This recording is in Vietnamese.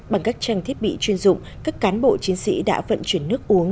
bằng các trang thiết bị chuyên dụng các cán bộ chiến sĩ đã vận chuyển nước uống